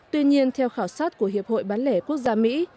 tuy nhiên theo khảo sát của hiệp hội bán lẻ quốc gia mỹ